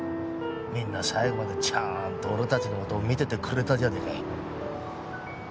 みんな最後までちゃーんと俺たちの事を見ててくれたじゃねえか。